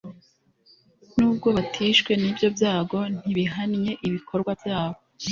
Nubwo batishwe n’ibyo byago ntibihannye ibikorwa byabo